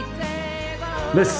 メス。